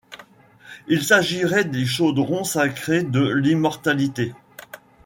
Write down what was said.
Il s’agirait du chaudron sacré de l’immortalité.